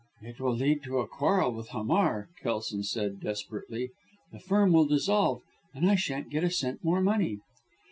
"It will lead to a quarrel with Hamar," Kelson said desperately. "The Firm will dissolve and I shan't get a cent more money."